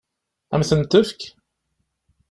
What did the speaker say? Ad m-ten-tefk?